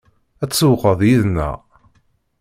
Ad tsewwqeḍ yid-neɣ?